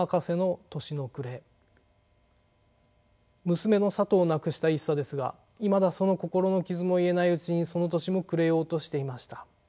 娘のさとを亡くした一茶ですがいまだその心の傷も癒えないうちにその年も暮れようとしていました。